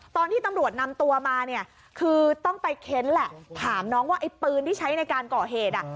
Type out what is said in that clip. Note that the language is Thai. ตอนที่ตำรวจนำตัวมาเนี่ยคือต้องไปเค้นแหละถามน้องว่าไอ้ปืนที่ใช้ในการก่อเหตุ